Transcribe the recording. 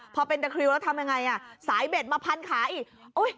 พอเป็นตะคริวแล้วทำยังไงอ่ะสายเบ็ดมาพันขาอีก